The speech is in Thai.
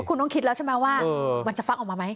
คุณต้องคิดแล้วใช่ไหมว่ามันจะฟักออกมาไหม